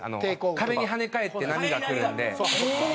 壁に跳ね返って波が来るんで。